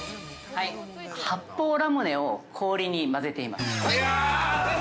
◆はい、発泡ラムネを氷に混ぜています。